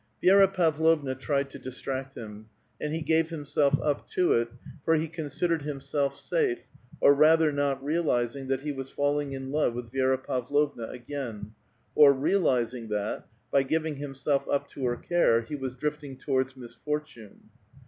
Vi^ra Pavlovna tried to distract him, and he gave himself y*P to it, for he considered himself safe, or rather not real *^ing that he was falling in love with Vi^ra Pavlovna again, ^^ realizing that, by giving himself up to her care, he was ^^Wting towards misfortune.